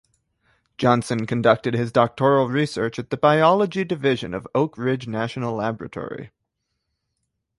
Johnson conducted his doctoral research at the biology division of Oak Ridge National Laboratory.